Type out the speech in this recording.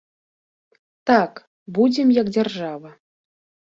Так, будзем, як дзяржава.